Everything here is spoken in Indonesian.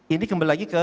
ini kembali lagi ke